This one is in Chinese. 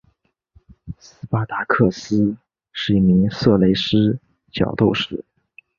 斯巴达克斯是一名色雷斯角斗士。